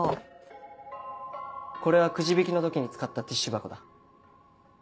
これはくじ引きの時に使ったティッシュ箱だ。